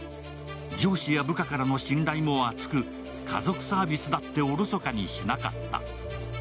上司や部下からの信頼も厚く家族サービスだっておろそかにしなかった。